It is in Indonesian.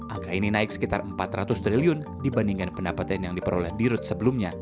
angka ini naik sekitar empat ratus triliun dibandingkan pendapatan yang diperoleh dirut sebelumnya